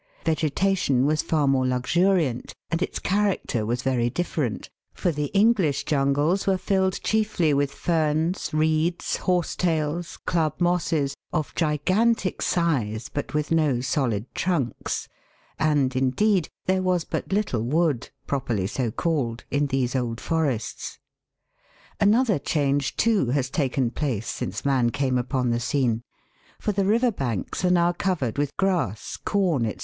Vegetation was far more luxuriant and its character was very different, for the English jungles were filled chiefly with ferns, reeds, horsetails, club mosses, of gigantic size, but with no solid trunks ; and, indeed, there was but little wood, properly so called, in these old forests. Another change, too, has taken place since man came upon the scene, for the river banks are now covered with grass, corn, &c.